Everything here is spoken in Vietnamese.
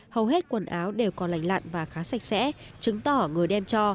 hầu hết quần áo đều còn lành lặn và khá sạch sẽ chứng tỏ người đem cho